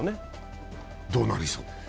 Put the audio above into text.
どうなりそう？